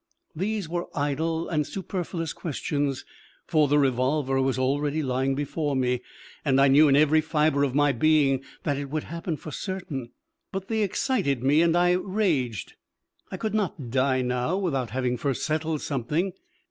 These were idle and superfluous questions for the revolver was already lying before me, and I knew in every fibre of my being that it would happen for certain, but they excited me and I raged. I could not die now without having first settled something.